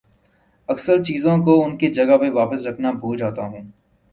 اکثر چیزوں کو ان کی جگہ پر واپس رکھنا بھول جاتا ہوں